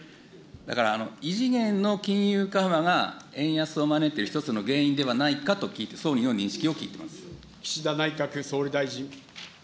だから、異次元の金融緩和が、円安を招いている一つの原因ではないかと聞いて、総理の認識を聞岸田内閣総理大臣。